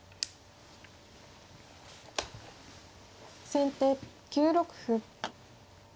先手９六歩。